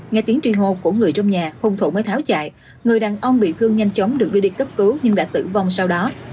nghe tiếng triê hô của người trong nhà hung thủ mới tháo chạy người đàn ông bị thương nhanh chóng được đưa đi cấp cứu nhưng đã tử vong sau đó